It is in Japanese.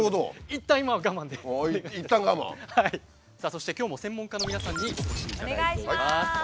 いったん我慢？さあそして今日も専門家の皆さんにお越しいただいています。